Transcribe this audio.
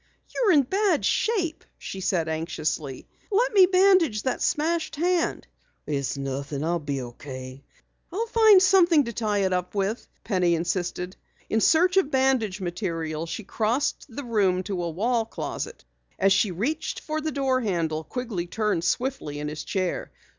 "You're in bad shape," she said anxiously. "Let me bandage that smashed hand." "It's nothing. I'll be okay." "I'll find something to tie it up with," Penny insisted. In search of bandage material, she crossed the room to a wall closet. As she reached for the door handle, Quigley turned swiftly in his chair.